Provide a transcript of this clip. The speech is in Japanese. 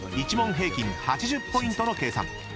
［１問平均８０ポイントの計算］